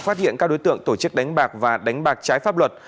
phát hiện các đối tượng tổ chức đánh bạc và đánh bạc trái pháp luật